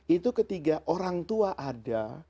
itu ketika orang tua ada